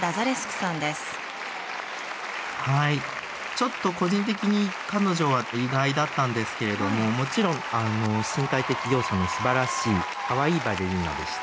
ちょっと個人的に彼女は意外だったんですけれどももちろん身体的要素のすばらしいかわいいバレリーナでした。